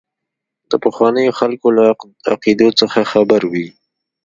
د پخوانیو خلکو له عقیدو څخه خبروي.